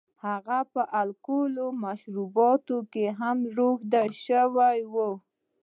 هغه په الکولي مشروباتو هم روږدی شوی و.